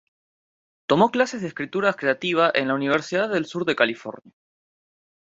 Tomó clases de escritura creativa en la Universidad del Sur de California.